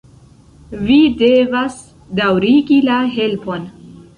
Vi devas daŭrigi la helpon!